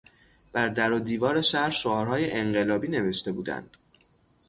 بر در و دیوار شهر شعارهای انقلابی نوشته بودند.